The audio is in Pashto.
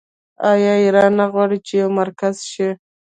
آیا ایران نه غواړي چې یو مرکز شي؟